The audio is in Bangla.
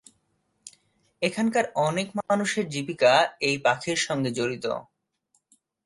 এখানকার অনেক মানুষের জীবিকা এই পাখির সঙ্গে জড়িত।